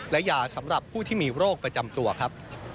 และยาสำหรับผู้ที่มีโรคประจำตัวครับ